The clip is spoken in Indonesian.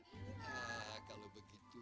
nah kalau begitu